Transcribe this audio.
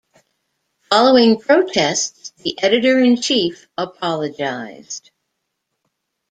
Following protests the editor-in-chief apologized.